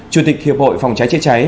chủ tịch hiệp hội phòng cháy chế cháy